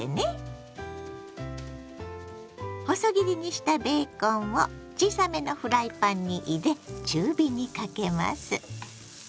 細切りにしたベーコンを小さめのフライパンに入れ中火にかけます。